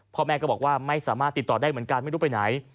พ่อแม่ก็บอกว่าไม่สามารถติดต่อได้เหมือนกันไม่รู้ไปไหน